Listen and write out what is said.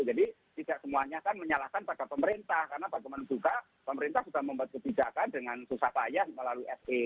jadi tidak semuanya kan menyalahkan pada pemerintah karena bagaimana juga pemerintah sudah membuat kebijakan dengan susah payah melalui spi